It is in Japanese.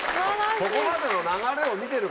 ここまでの流れを見てるからね。